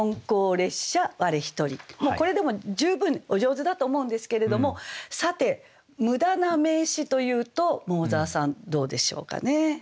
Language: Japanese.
これでも十分お上手だと思うんですけれどもさてムダな名詞というと桃沢さんどうでしょうかね？